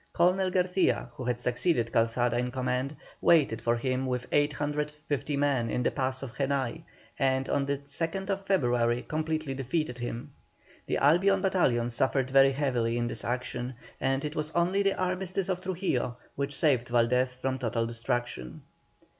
Colonel Garcia who had succeeded Calzada in command, waited for him with 850 men in the pass of Jenay, and on the 2nd February, completely defeated him. The Albion battalion suffered very heavily in this action, and it was only the armistice of Trujillo which saved Valdez from total destruction.